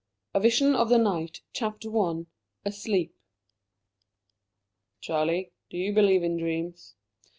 A VISION OF THE NIGHT. CHAPTER I. ASLEEP. "Charlie, do you believe in dreams?"